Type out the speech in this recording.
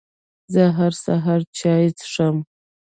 زه هر سهار چای څښم